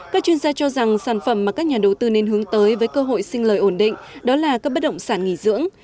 các chuyên gia cho rằng sản phẩm mà các nhà đầu tư nên hướng tới với cơ hội sinh lời ổn định đó là các bất động sản nghỉ dưỡng